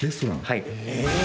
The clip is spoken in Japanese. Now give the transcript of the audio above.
はい。